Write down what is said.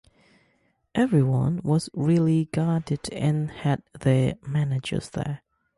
Everyone was really guarded and had their managers there.